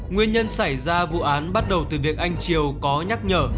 nguyên nhân xảy ra vụ án bắt đầu từ việc anh triều có nhắc nhở